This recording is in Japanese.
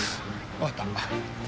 わかった。